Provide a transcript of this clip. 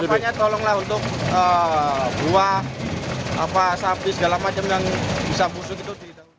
makanya tolonglah untuk buah sapi segala macam yang bisa busuk itu